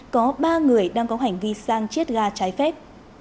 có ba người đang có hành vi sang chiết ga trái phép